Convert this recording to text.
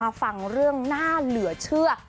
ฟังเรื่องน่าเหลือเชื่อ